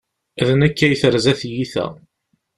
D nekk ay terza tyita.